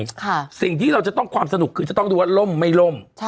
ค่ะสิ่งที่เราจะต้องความสนุกคือจะต้องทราบกับว่าล้มไม่ล้ม